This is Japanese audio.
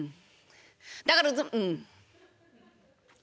だからうん。